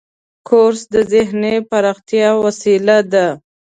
کورس د ذهني پراختیا وسیله ده.